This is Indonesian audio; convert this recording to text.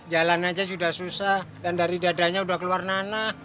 jalan aja sudah susah dan dari dadanya sudah keluar nana